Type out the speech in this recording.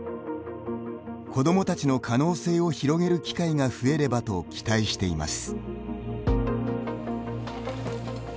子どもたちの可能性を広げる機会が増えればと期待しています。